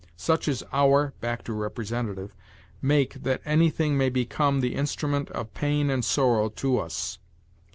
Such is our [back to representative] make that anything may become the instrument of pain and sorrow to us.'